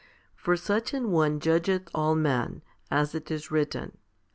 For such an one judgeth all men* as it is written.